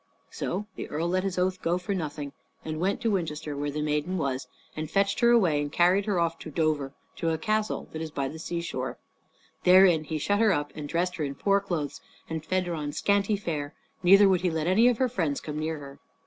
So the earl let his oath go for nothing, and went to Winchester where the maiden was, and fetched her away and carried her off to Dover to a castle that is by the seashore. Therein he shut her up and dressed her in poor clothes, and fed her on scanty fare; neither would he let any of her friends come near her.